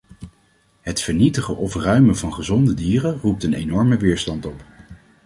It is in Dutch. Het vernietigen of ruimen van gezonde dieren roept een enorme weerstand op.